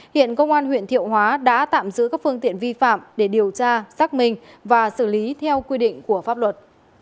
hiện công an huyện thiệu hóa đã tạm giữ các phương tiện vi phạm để điều tra xác minh và xử lý theo quy định của pháp luật